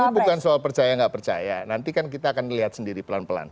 tapi bukan soal percaya nggak percaya nanti kan kita akan lihat sendiri pelan pelan